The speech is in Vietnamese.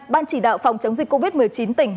ban chỉ đạo phòng chống dịch covid một mươi chín tỉnh